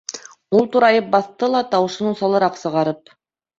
Ул турайып баҫты ла, тауышын уҫалыраҡ сығарып: